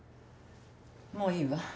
もういいわ。